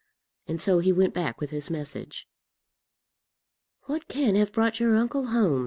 And so he went back with his message. "What can have brought your uncle home?"